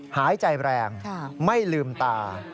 หายใจแรงไม่ลืมตา